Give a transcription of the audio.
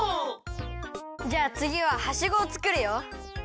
じゃあつぎははしごをつくるよ。